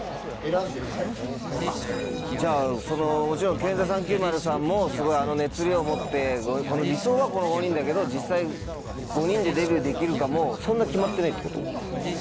あっじゃあもちろんＫＥＮＴＨＥ３９０さんもすごいあの熱量を持って理想はこの５人だけど実際５人でデビューできるかもそんな決まってないってこと？